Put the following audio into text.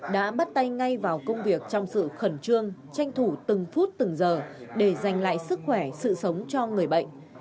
đã bắt tay ngay vào công việc trong sự khẩn trương tranh thủ từng phút từng giờ để giành lại sức khỏe sự sống cho người bệnh